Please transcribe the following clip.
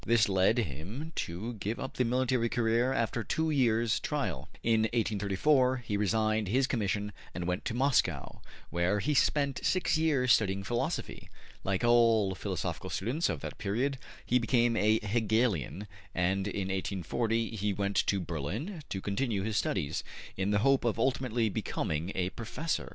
This led him to give up the military career after two years' trial. In 1834 he resigned his commission and went to Moscow, where he spent six years studying philosophy. Like all philosophical students of that period, he became a Hegelian, and in 1840 he went to Berlin to continue his studies, in the hope of ultimately becoming a professor.